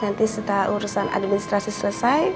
nanti setelah urusan administrasi selesai